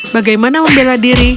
bagaimana membela diri